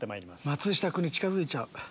松下君に近づいちゃう。